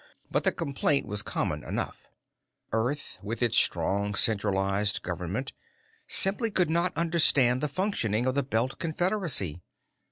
But the complaint was common enough; Earth, with its strong centralized government, simply could not understand the functioning of the Belt Confederacy.